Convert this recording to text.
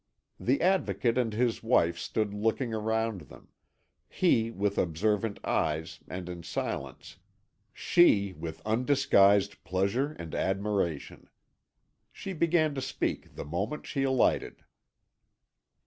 The Advocate and his wife stood looking around them, he with observant eyes and in silence, she with undisguised pleasure and admiration. She began to speak the moment she alighted.